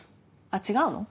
あっ違うの？